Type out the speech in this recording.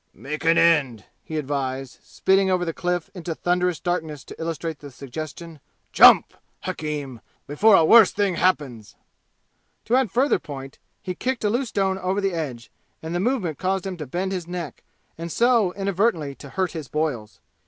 "Make an end!" he advised, spitting over the Cliff into thunderous darkness to illustrate the suggestion. "Jump, hakim, before a worse thing happens!" To add further point he kicked a loose stone over the edge, and the movement caused him to bend his neck and so inadvertently to hurt his boils.